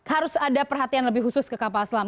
harus ada perhatian lebih khusus ke kapal selam